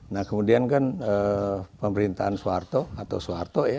nah kemudian kan pemerintahan soeharto